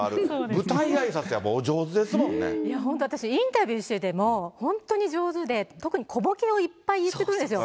舞台あいさ本当、私、インタビューしてても、本当に上手で、特に小ぼけをいっぱい言ってくるんですよ。